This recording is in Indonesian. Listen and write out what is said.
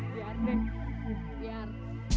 biar deh biar